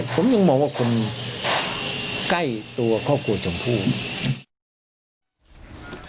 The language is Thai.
ผมยังมองว่าคนใกล้ตัวข้อโครงกล้าชมพูด